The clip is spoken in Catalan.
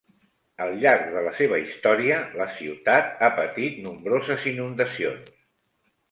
Al llarg de la seva història, la ciutat a patit nombroses inundacions.